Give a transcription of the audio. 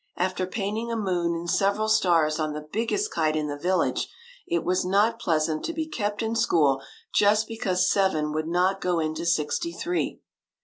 After painting a moon and several stars on the big gest kite in the village, it was not pleasant to be kept in school just because seven would not go into sixty three.